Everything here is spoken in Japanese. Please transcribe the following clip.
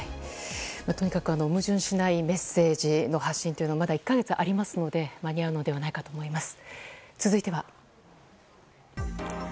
とにかく矛盾しないメッセージの発信まだ１か月ありますので間に合うのではないかと思います。